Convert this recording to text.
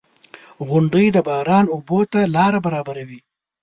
• غونډۍ د باران اوبو ته لاره برابروي.